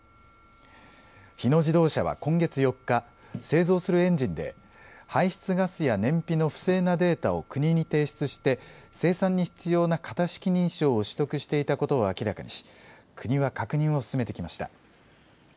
日野自動車は今月４日、製造するエンジンで、排出ガスや燃費の不正なデータを国に提出して、生産に必要な型式認証を取得していたことを明らかにし、国は確認を進めてきました。